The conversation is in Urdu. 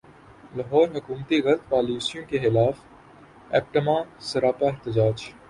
لاہور حکومتی غلط پالیسیوں کیخلاف ایپٹما سراپا احتجاج